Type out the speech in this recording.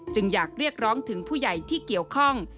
อยากเรียกร้องถึงผู้ใหญ่ที่เกี่ยวข้อง